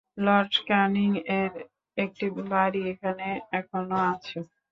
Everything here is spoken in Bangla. লর্ড ক্যানিং-এর একটি বাড়ি এখানে এখনও আছে।